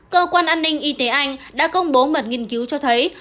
cơ quan an ninh y tế anh đã công bố mật nghiên cứu cho thấy